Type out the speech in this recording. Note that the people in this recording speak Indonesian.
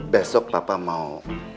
besok papa mau